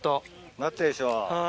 なってるでしょ。